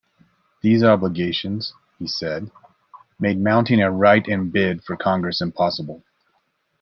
These obligations, he said, made mounting a write-in bid for Congress impossible.